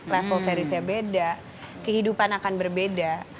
level seriesnya beda kehidupan akan berbeda